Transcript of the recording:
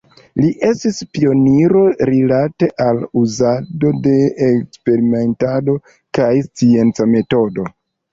Li estis pioniro rilate al uzado de eksperimentado kaj scienca metodo.